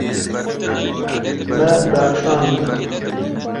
Me bexşand.